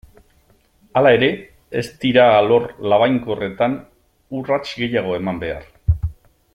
Hala ere, ez dira alor labainkorretan urrats gehiago eman behar.